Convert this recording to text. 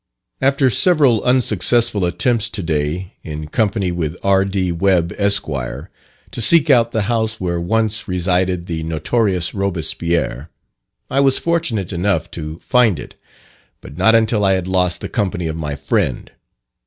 After several unsuccessful attempts to day, in company with R.D. Webb, Esq., to seek out the house where once resided the notorious Robespierre, I was fortunate enough to find it, but not until I had lost the company of my friend.